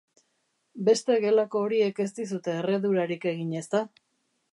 Beste gelako horiek ez dizute erredurarik egin, ezta?